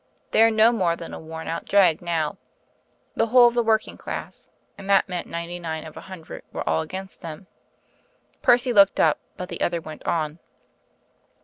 They are no more than a worn out drag now. The whole of the working classes and that meant ninety nine of a hundred were all against them." Percy looked up; but the other went on.